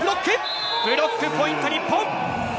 ブロックポイント日本！